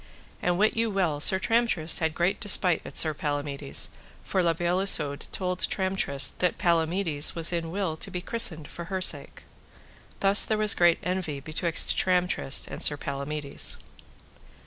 And wit you well Sir Tramtrist had great despite at Sir Palamides, for La Beale Isoud told Tramtrist that Palamides was in will to be christened for her sake. Thus was there great envy betwixt Tramtrist and Sir Palamides.